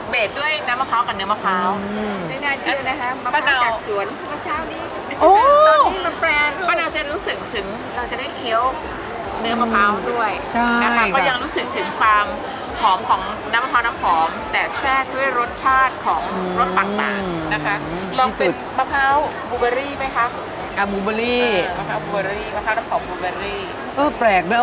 เบบด้วยน้ำมะพร้ากับเนื้อมะพร้าวอืมไม่น่าเชื่อนะคะมะพร้าวจากสวน